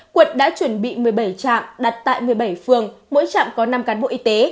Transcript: quận đã chuẩn bị một mươi bảy trạm đặt tại một mươi bảy phường mỗi trạm có năm cán bộ y tế